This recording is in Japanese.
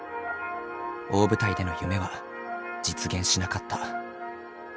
大舞台での夢は実現しなかった。